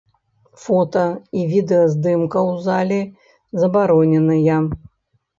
Фота і відэаздымка у залі забароненая.